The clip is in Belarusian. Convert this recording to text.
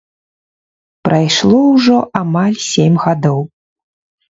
Прайшло ўжо амаль сем гадоў.